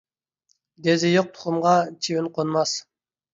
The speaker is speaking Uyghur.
دېزى يوق تۇخۇمغا چىۋىن قونماس.